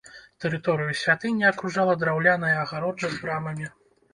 Тэрыторыю святыні акружала драўляная агароджа з брамамі.